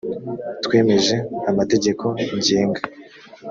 twemeje amategeko ngenga